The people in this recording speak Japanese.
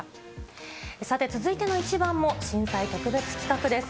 さて、続いてのイチバンも震災特別企画です。